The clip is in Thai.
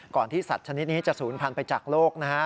ก่อนที่สัตว์ชนิดนี้จะสูญพันธุ์ไปจากโลก